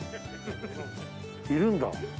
いるんだ。